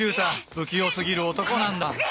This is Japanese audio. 不器用過ぎる男なんだ。